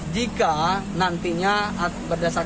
jika nantinya berdasarkan